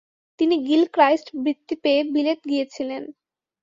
তিনি গিলক্রাইস্ট বৃত্তি পেয়ে বিলেত গিয়েছিলেন।